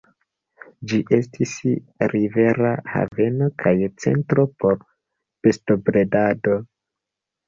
Ĝi estis rivera haveno kaj centro por bestobredado.